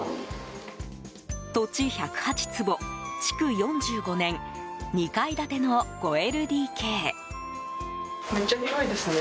土地１０８坪、築４５年２階建ての５ＬＤＫ。